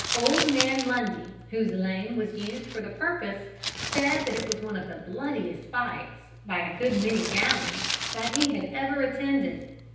Old man Lundy, whose lane was used for the purpose, said that it was one of the bloodiest fights, by a good many gallons, that he ever attended.